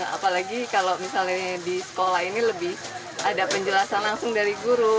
apalagi kalau misalnya di sekolah ini lebih ada penjelasan langsung dari guru